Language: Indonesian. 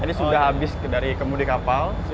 ini sudah habis dari kemudi kapal